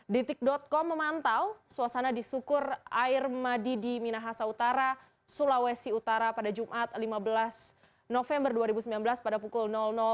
detik com memantau suasana di sukur air madi di minahasa utara sulawesi utara pada jumat lima belas november dua ribu sembilan belas pada pukul